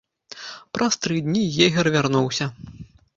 Праз тры дні егер вярнуўся.